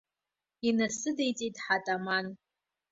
Инасыдиҵеит ҳ-атаман.